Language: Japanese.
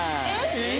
・えっ？